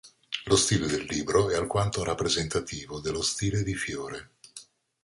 Lo stile del libro è alquanto rappresentativo dello stile di Fiore.